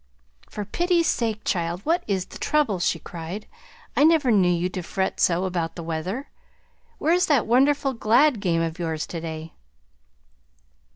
"For pity's sake, child, what is the trouble?" she cried. "I never knew you to fret so about the weather. Where's that wonderful glad game of yours to day?"